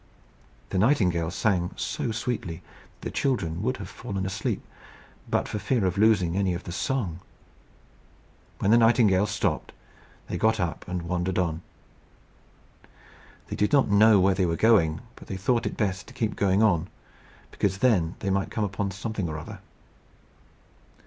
The nightingale sang so sweetly, that the children would have fallen asleep but for fear of losing any of the song. When the nightingale stopped they got up and wandered on. They did not know where they were going, but they thought it best to keep going on, because then they might come upon something or other.